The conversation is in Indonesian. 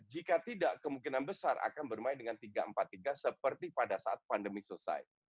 jika tidak kemungkinan besar akan bermain dengan tiga empat tiga seperti pada saat pandemi selesai